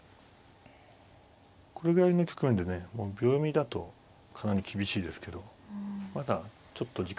これぐらいの局面でねもう秒読みだとかなり厳しいですけどまだちょっと時間の余裕があるってことでね。